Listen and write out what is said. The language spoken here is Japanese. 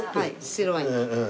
白ワイン。